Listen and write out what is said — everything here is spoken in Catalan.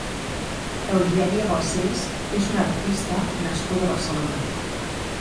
Eugènia Balcells és una artista nascuda a Barcelona.